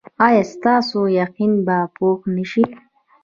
ایا ستاسو یقین به پوخ نه شي؟